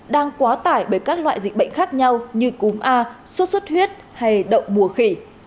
đang quá tải bởi các loại dịch bệnh khác nhau như cúm a sốt xuất huyết hay động mùa khỉ